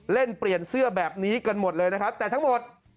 เล่นเปลี่ยนเสื้อแบบนี้กันหมดเลยนะครับแต่ทั้งหมด